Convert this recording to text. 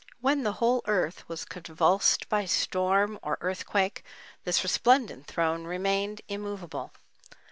When the whole earth was convulsed by storm or earthquake this resplendent throne remained immovable.